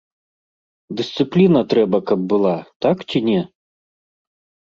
Дысцыпліна трэба, каб была, так ці не?